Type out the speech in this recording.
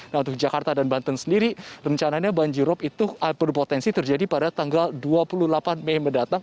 nah untuk jakarta dan banten sendiri rencananya banjirop itu berpotensi terjadi pada tanggal dua puluh delapan mei mendatang